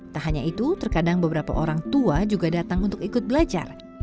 tak hanya itu terkadang beberapa orang tua juga datang untuk ikut belajar